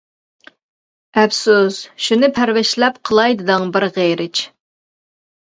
ئەپسۇس شۇنى پەرۋىشلەپ قىلاي دېدىڭ بىر غېرىچ.